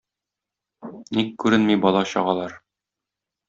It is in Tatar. Ник күренми бала-чагалар?